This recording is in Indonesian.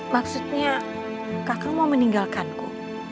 maksudnya kakang mau meninggalkanku